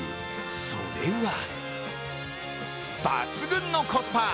それは抜群のコスパ。